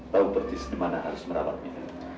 tahu persis di mana harus merawat dia